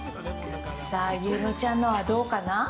さあ、優乃ちゃんのはどうかな。